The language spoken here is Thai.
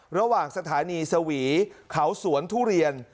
ระหว่างสถานีสวีเขาสวนทุเรียน